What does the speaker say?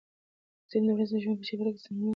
زه د ورځني ژوند په جریان کې د سنکس اندازه تنظیموم.